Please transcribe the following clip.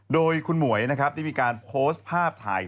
โดยคุณหมวยนะครับได้มีการโพสต์ภาพถ่าย